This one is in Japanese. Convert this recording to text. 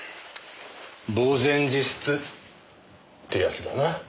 茫然自失ってやつだな。